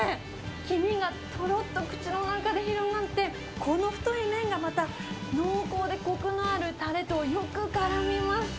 黄身がとろっと口の中で広がって、この太い麺がまた、濃厚でこくのあるタレとよくからみます。